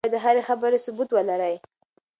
تاسي باید د هرې خبرې ثبوت ولرئ.